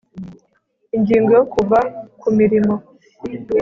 ingingo yo kuva ku mirimo